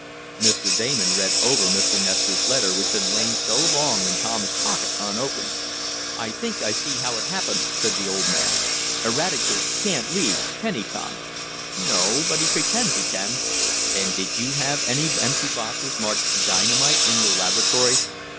Mr. Damon read over Mr. Nestor's letter which had lain so long in Tom's pocket unopened. "I think I see how it happened," said the old man. "Eradicate can't read; can he, Tom?" "No, but he pretends he can." "And did you have any empty boxes marked dynamite in your laboratory?"